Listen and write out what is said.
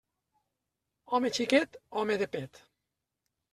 Home xiquet, home de pet.